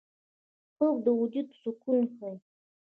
خوب د وجود سکون ښيي